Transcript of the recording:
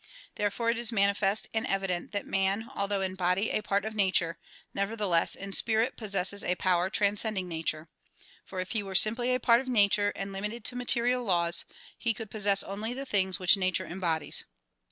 Therefore it is manifest and evident that man, although in body a part of nature, nevertheless in spirit possesses a power transcending nature; for if he were simply a part of nature and limited to material laws he could possess only the things which nature embodies.